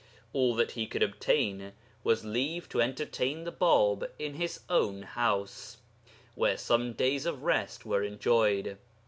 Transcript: All that he could obtain was leave to entertain the Bāb in his own house, where some days of rest were enjoyed.